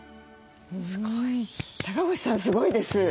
高越さんすごいです。